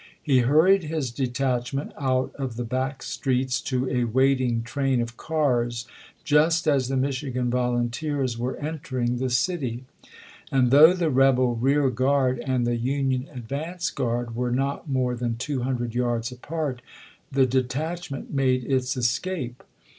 He hurried his detachment out of the back streets to a waiting train of cars just as the Michigan volunteers were entering the city ; and though the rebel rear guard and the Union advance guard were not more than two hundred yards apart, the detachment made its escape.